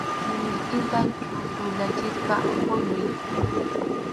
Simiykita chʼutuyachispa huywiy.